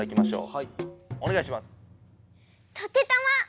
はい！